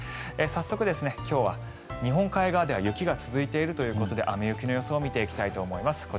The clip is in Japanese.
早速、今日は日本海側では雪が続いているということで雨、雪の予想を見ていきたいと思います。